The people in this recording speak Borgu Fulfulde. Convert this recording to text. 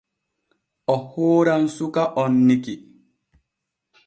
O hooran suka on Niki.